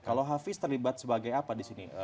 kalau hafiz terlibat sebagai apa di sini